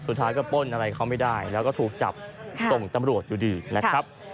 สุดท้ายก็ป้นอะไรเขาไม่ได้แล้วก็ถูกจับส่งตำรวจอยู่ดีนะครับ